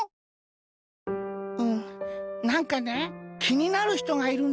うんなんかねきになるひとがいるんだよ。